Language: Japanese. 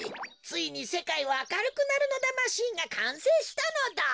ついにせかいはあかるくなるのだマシンがかんせいしたのだ。